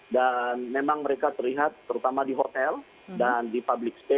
dan memang mereka terlihat terutama di hotel dan di publikasi